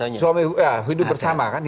ya hidup bersama kan